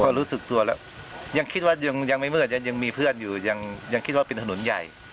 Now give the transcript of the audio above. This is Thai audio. ก็รู้สึกตัวแล้วยังคิดว่ายังไม่มืดยังมีเพื่อนอยู่ยังคิดว่าเป็นถนนใหญ่